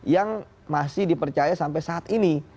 yang masih dipercaya sampai saat ini